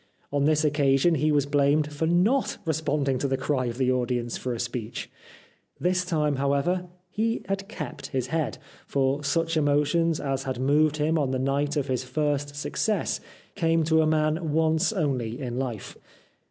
On this occasion he was blamed for not responding to the cry of the audience for a speech. This time, however, he 326 The Life of Oscar Wilde had kept his head, for such emotions as had moved him on the night of his first success come to a man once only in hfe.